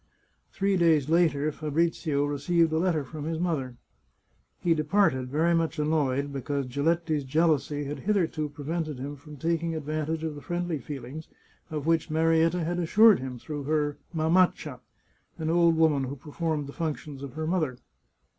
Three days later Fabrizio received a letter from his mother. He departed, very much annoyed because Giletti's jeal ousy had hitherto prevented him from taking advantage of the friendly feelings of which Marietta had assured him ■• 159 The Chartreuse of Parma through her mamaccia, an old woman who performed the functions of her mother.